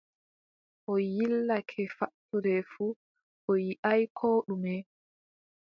O yiilake fattude fuu, o yiʼaay koo ɗume!